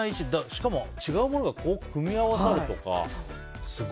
しかも違うものが組み合わさるとか。